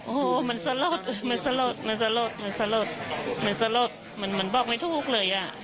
โอ้โหมันสลดมันสลดมันสลดมันสลดมันสลดมันมันบอกไม่ถูกเลยอ่ะ